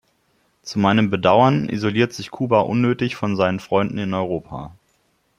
Zu meinem Bedauern isoliert sich Kuba unnötig von seinen Freunden in Europa.